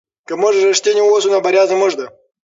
که موږ رښتیني اوسو نو بریا زموږ ده.